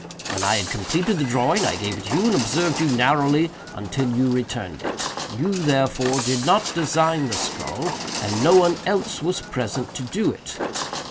When I had completed the drawing I gave it to you, and observed you narrowly until you returned it. You, therefore, did not design the skull, and no one else was present to do it.